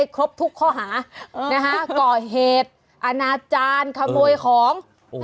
ก่อเหตุอาณาจารย์ขโมยของ